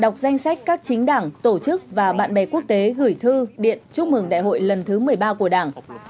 các chính đảng tổ chức và bạn bè quốc tế hửi thư điện chúc mừng đại hội lần thứ một mươi ba của đảng